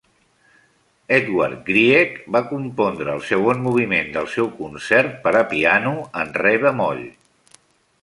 Edvard Grieg va compondre el segon moviment del seu concert per a piano en re bemoll.